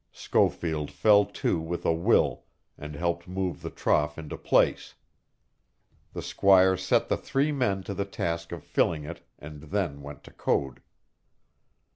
Schofield fell to with a will and helped move the trough into place. The squire set the three men to the task of filling it and then went to Code.